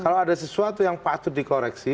kalau ada sesuatu yang patut dikoreksi